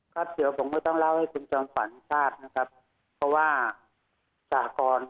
ครับเดี๋ยวผมไม่ต้องเล่าให้คุณจำฝันภาพนะครับ